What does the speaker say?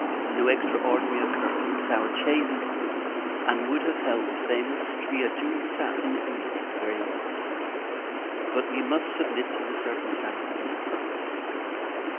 No extraordinary occurrence. Our chaise is good, and would have held the famous "Tria juncta in Uno," very well: but, we must submit to the circumstances of the times.